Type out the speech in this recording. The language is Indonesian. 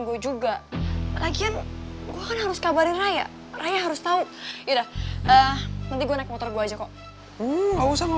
gue juga lagi kan harus kabarin raya raya harus tahu ida nanti gue naik motor gua aja kok nggak